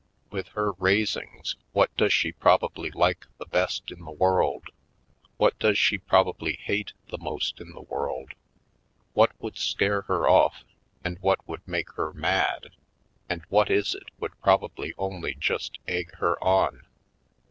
With her raisings, what does she probably like the best in the world? What does she pro bably hate the most in the world? What would scare her off and what would make her mad, and what is it would probably only just egg her on?